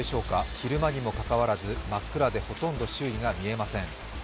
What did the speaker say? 昼間にもかかわらず真っ暗でほとんど周囲が見えません。